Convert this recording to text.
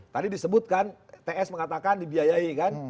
tadi disebutkan ts mengatakan dibiayai kan